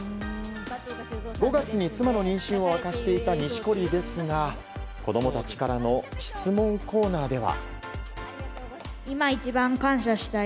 ５月に妻の妊娠を明かしていた錦織ですが子供たちからの質問コーナーでは。